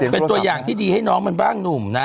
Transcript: เป็นตัวอย่างที่ดีให้น้องมันบ้างหนุ่มนะ